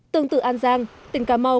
tương tự an giang tỉnh cà mau